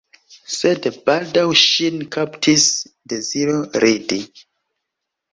Sed baldaŭ ŝin kaptis deziro ridi.